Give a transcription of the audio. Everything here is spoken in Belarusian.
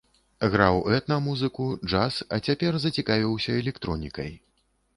Граў этна-музыку, джаз, а цяпер зацікавіўся электронікай.